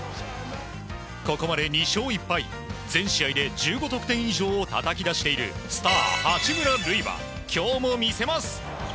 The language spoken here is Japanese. ここまで２勝１敗、全試合で１５得点以上をたたき出しているスター八村塁は今日も見せます。